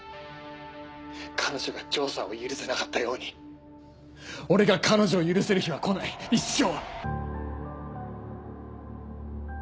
彼女が丈さんを許せなかったように俺が彼女を許せる日は来ない一生！